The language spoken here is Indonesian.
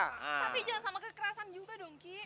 tapi jangan sama kekerasan juga duki